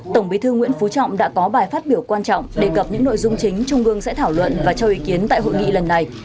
tổng bí thư nguyễn phú trọng đã có bài phát biểu quan trọng đề cập những nội dung chính trung ương sẽ thảo luận và cho ý kiến tại hội nghị lần này